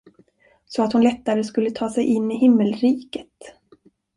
Så att hon lättare skulle ta sig in i himmelriket.